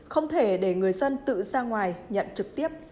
không thể để người dân tự ra ngoài nhận trực tiếp